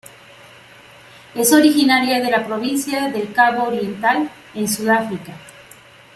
Es originaria de la Provincia del Cabo Oriental en Sudáfrica.